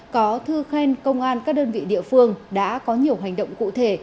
có thư khen công an các đơn vị địa phương đã có nhiều hành động cụ thể